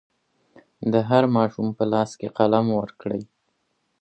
د هر ماشوم په لاس کې قلم ورکړئ.